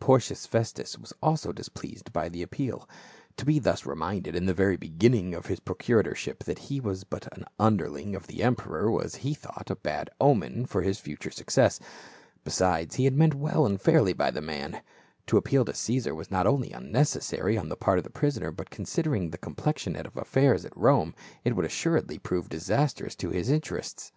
Porcius Festus was also displeased by the appeal ; to be thus reminded in the very beginning of his pro curatorship that he was but an underling of the em peror was, he thought, a bad omen for his future suc cess, besides he had meant well and fairly by the man ; to appeal to Caesar was not only unnecessary on the part of the prisoner, but considering the complexion of affairs at Rome it would assuredly prove disastrous to his interests.